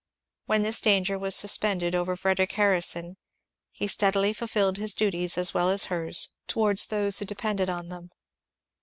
When this danger was suspended ovf r Frederic Harrison he stead FREDERIC HARRISON 883 ily fulfilled his duties as well as hers towards those who de pended on them.